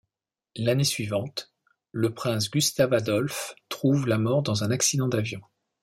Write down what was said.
L'année suivante, le prince Gustave-Adolphe trouve la mort dans un accident d'avion.